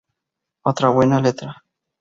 Otra buena letra.